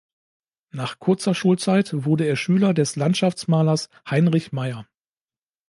Nach kurzer Schulzeit wurde er Schüler des Landschaftsmalers Heinrich Meyer.